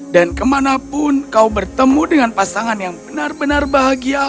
dan kemanapun kau bertemu dengan pasangan yang benar benar bahagia